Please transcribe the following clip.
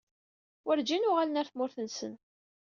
Werǧin uɣalen ɣer tmurt-nsen.